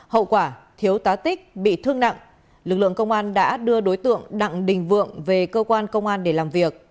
hậu quả thiếu tá tích bị thương nặng lực lượng công an đã đưa đối tượng đặng đình vượng về cơ quan công an để làm việc